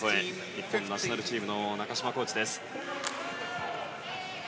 日本ナショナルチームの中島コーチです。